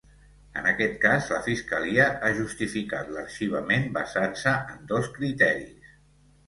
En aquest cas, la fiscalia ha justificat l’arxivament basant-se en dos criteris.